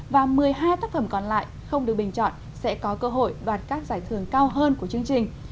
và một mươi hai tác phẩm còn lại không được bình chọn sẽ có cơ hội đoạt các giải thưởng cao hơn của chương trình